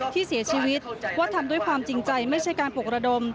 ที่เสียชีวิตว่าทำด้วยความจริงใจไม่ใช่การปลุกระดม